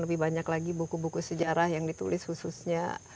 lebih banyak lagi buku buku sejarah yang ditulis khususnya